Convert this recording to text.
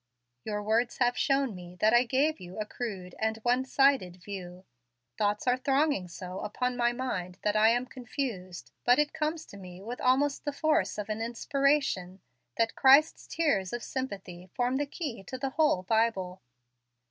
Your words have shown me that I gave you a crude and one sided view. Thoughts are thronging so upon my mind that I am confused, but it comes to me with almost the force of an inspiration that Christ's tears of sympathy form the key to the whole Bible."